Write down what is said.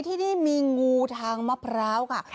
ที่นี่มีงูทางมะพร้าวค่ะ